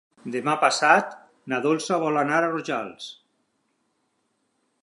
Demà passat na Dolça vol anar a Rojals.